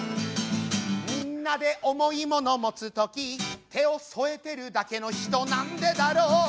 「みんなで重いもの持つ時手を添えてるだけの人なんでだろう」